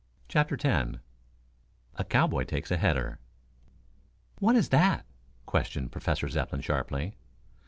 CHAPTER X A COWBOY TAKES A HEADER "What is that?" questioned Professor Zepplin sharply.